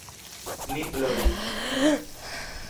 Mi ploris.